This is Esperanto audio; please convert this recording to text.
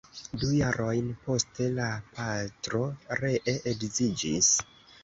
Du jarojn poste la patro ree edziĝis.